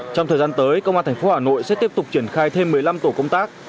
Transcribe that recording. trong thời gian tới công an thành phố hà nội sẽ tiếp tục triển khai thêm một mươi năm tổ công tác